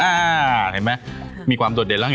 อ่าเคยเห็นมั้ยมีความโดดเด่นแล้วไง